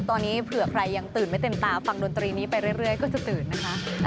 ตอนนี้เผื่อใครยังตื่นไม่เต็มตาฟังดนตรีนี้ไปเรื่อยก็จะตื่นนะคะ